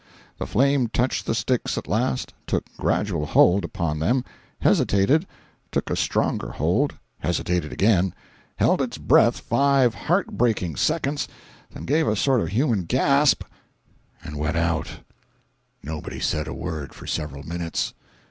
The flame touched the sticks at last, took gradual hold upon them—hesitated—took a stronger hold—hesitated again—held its breath five heart breaking seconds, then gave a sort of human gasp and went out. 234.jpg (42K) Nobody said a word for several minutes.